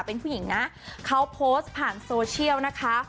เป็นผู้หญิงนะเขาโพสต์ผ่านโซเชียลนะคะ